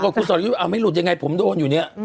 คนคุณสอดคิดว่าเอ้าไม่หลุดยังไงผมโดนอยู่เนี่ย